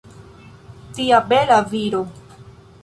Tia bela viro!